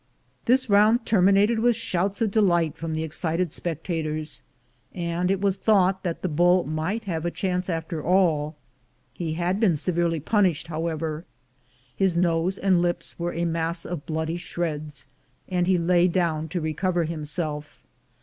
This round terminated with shouts of delight from the excited spectators, and it was thought that the bull might have a chance after all. He had been severely punished, however; his nose and lips were a mass of bloody shreds, and he lay down to recover himself.